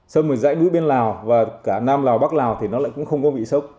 sâm ở dãy núi bên lào và cả nam lào bắc lào thì nó lại cũng không có vị sốc